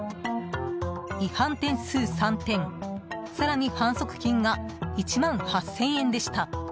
違反点数３点、更に反則金が１万８０００円でした。